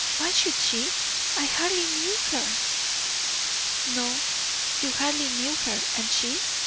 Why should she? I hardly knew her." "No, you hardly knew her. And she?